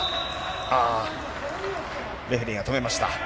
ああ、レフェリーが止めました。